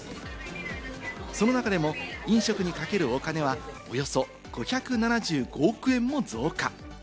その中でも飲食にかけるお金は、およそ５７５億円も増加。